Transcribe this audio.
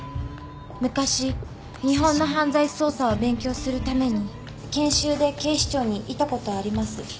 昔日本の犯罪捜査を勉強するために研修で警視庁にいたことあります。